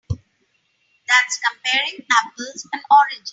That's comparing apples and oranges.